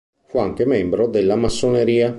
Fu anche un membro della Massoneria.